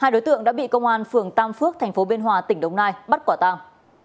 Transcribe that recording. hai đối tượng đã bị công an phường tam phước tp bnh tỉnh đồng nai bắt quả tăng